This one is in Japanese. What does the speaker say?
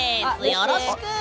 よろしく！